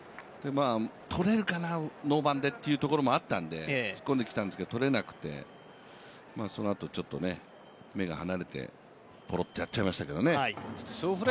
とれるかなノーバンでというところもあったんで突っ込んできたんですけど、取れなくて、そのあと、目が離れてぽろっとやっちゃいましたけどね。